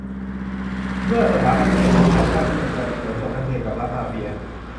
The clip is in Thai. เมื่อ "สถาบันนิยม" สะท้อน "ชาตินิยม" : กรณี "หัวโจก"นักเรียน กับ "รัฐมาเฟีย"